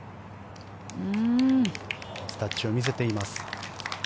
ナイスタッチを見せています。